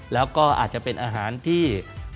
แล้วก็อาจจะเป็นอาหารที่